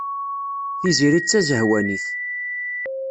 Tiziri d tazehwanit.